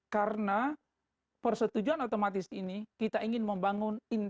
karena persetujuan otomatis ini kita ingin membangun integritas dari kita